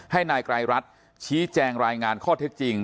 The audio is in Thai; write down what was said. ให้นายไกรรัฐชี้แจงรายงานข้อเท็จจริง